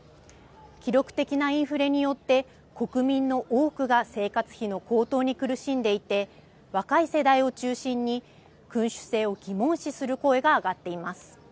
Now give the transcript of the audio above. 記録的なインフレによって、国民の多くが生活費の高騰に苦しんでいて、若い世代を中心に君主制を疑問視する声が上がっています。